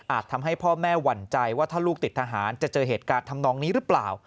ทำให้พ่อแม่หวั่นใจว่าถ้าลูกติดทหารจะเจอเหตุการณ์ทำนองนี้หรือเปล่า